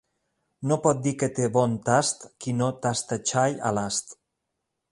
No pot dir que té bon tast qui no tasta xai a l'ast.